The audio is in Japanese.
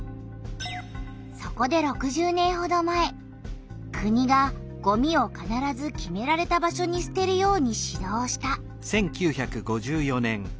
そこで６０年ほど前国がごみをかならず決められた場所にすてるように指導した。